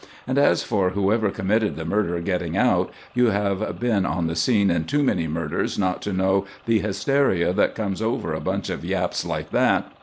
"And as for whoever committed the murder getting out, you have been on the scene of too many murders not to know the hysteria that comes over a bunch of yaps like that.